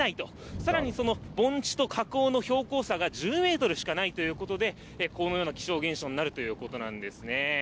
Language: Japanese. さらにその盆地と河口の標高差が１０メートルしかないということで、このような気象現象になるということなんですね。